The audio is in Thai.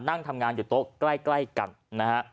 นั่งทำงานอยู่โต๊ะใกล้กันนะฮะ